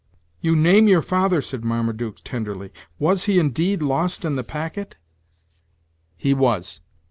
"You name your father!" said Marmaduke tenderly "was he, indeed, lost in the packet?" "He was.